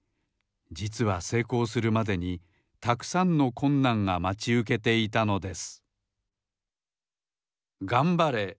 じつはせいこうするまでにたくさんのこんなんがまちうけていたのです